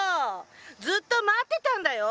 ずっと待ってたんだよ。